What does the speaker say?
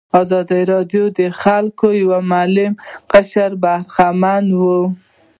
یوازې د آزادو خلکو یو معلوم قشر برخمن و.